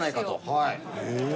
はい。